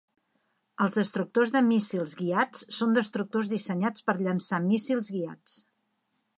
Els destructors de míssils guiats són destructors dissenyats per llançar míssils guiats.